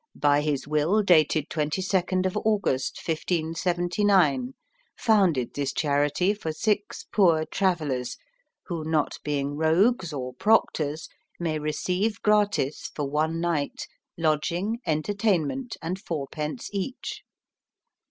by his will dated 22 Aug., 1579, founded this charity for six poor travellers, who not being Rogues, or Proctors, may receive gratis, for one Night, Lodging, Entertainment, and four pence each.